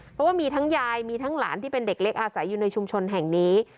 เพราะว่ามีทั้งยายมีทั้งหลานที่เป็นเด็กเล็กอาศัยอยู่ในชุมชนแห่งนี้